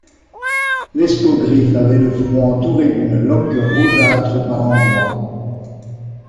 L'escogriffe avait le front entouré d'une loque rougeâtre par endroits.